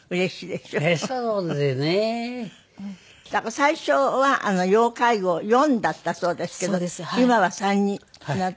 最初は要介護４だったそうですけど今は３になって。